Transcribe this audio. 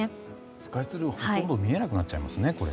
スカイツリー、ほとんど見えなくなっちゃいますね。